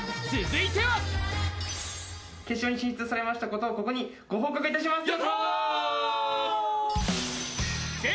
決勝に進出されましたことをここにご報告いたします。